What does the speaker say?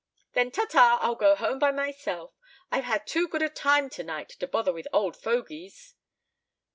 "Then ta! ta! I'll go home by myself. I've had too good a time tonight to bother with old fogies."